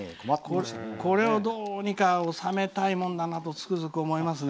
これをどうにか収めたいもんだなとつくづく思いますね。